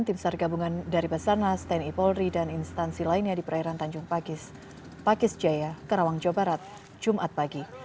tim seharga gabungan dari basarna sten ipolri dan instansi lainnya di perairan tanjung pakis pakis jaya kerawang jawa barat jumat pagi